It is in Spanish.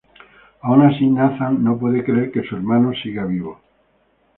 Aun así, Nathan no puede creer que su hermano siga vivo.